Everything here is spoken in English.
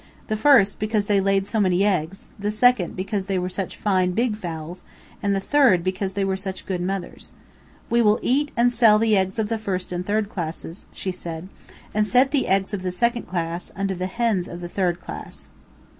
The first, because they laid so many eggs; the second, because they were such fine, big fowls, and the third, because they were such good mothers. "We will eat, and sell the eggs of the first and third classes," she said, "and set the eggs of the second class, under the hens of the third class."